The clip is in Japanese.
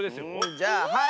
じゃあはい！